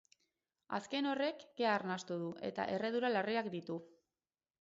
Azken horrek, kea arnastu du eta erredura larriak ditu.